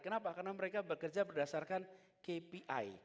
kenapa karena mereka bekerja berdasarkan kpi